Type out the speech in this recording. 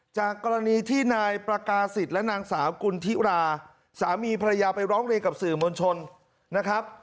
จากกรณีที่นายประกาศิษย์และนางสาวกุณฑิราสามีภรรยาไปร้องเรียนกับสื่อมวลชนนะครับ